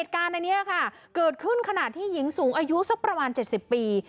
เกิดขึ้นขนาดที่หญิงสูงอายุประมาณ๗๐ปี